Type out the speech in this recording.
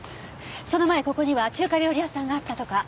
その前ここには中華料理屋さんがあったとか。